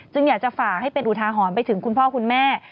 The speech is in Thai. อยากจะฝากให้เป็นอุทาหรณ์ไปถึงคุณพ่อคุณแม่